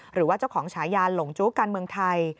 หรือว่าเจ้าของฉายานหลงจู้การเมืองไทย